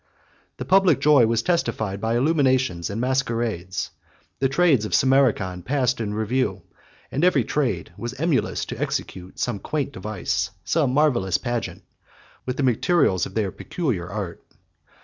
64 The public joy was testified by illuminations and masquerades; the trades of Samarcand passed in review; and every trade was emulous to execute some quaint device, some marvellous pageant, with the materials of their peculiar art.